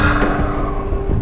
pak abdul juga udah tahu